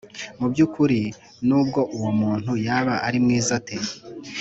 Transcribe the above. Mu by ukuri nubwo uwo muntu yaba ari mwiza ate